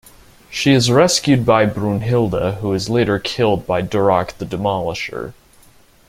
She is rescued by Brunnhilde, who is later killed by Durok the Demolisher.